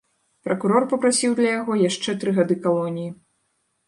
Пракурор папрасіў для яго яшчэ тры гады калоніі.